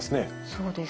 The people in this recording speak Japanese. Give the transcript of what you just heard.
そうですね。